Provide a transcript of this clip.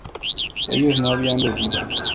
ellos no habían bebido